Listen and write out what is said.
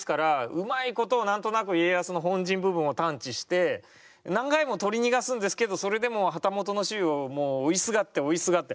うまいこと何となく家康の本陣部分を探知して何回も取り逃がすんですけどそれでも旗本の衆をもう追いすがって追いすがって。